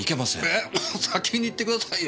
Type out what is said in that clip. え先に言ってくださいよ。